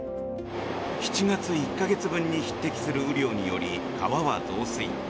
７月１か月分に匹敵する雨量により川は増水。